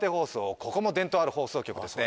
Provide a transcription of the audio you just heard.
ここも伝統ある放送局ですね